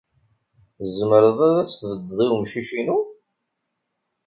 Tzemreḍ ad as-tbeddeḍ i wemcic-inu?